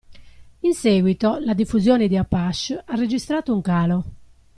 In seguito, la diffusione di Apache ha registrato un calo.